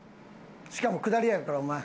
しかも下りやからお前。